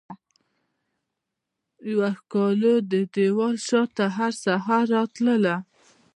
یوه ښکالو ددیوال شاته هرسحر راتلله